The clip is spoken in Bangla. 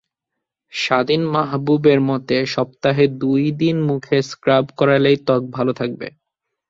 শাদীন মাহবুবের মতে, সপ্তাহে দুই দিন মুখে স্ক্রাব করালেই ত্বক ভালো থাকবে।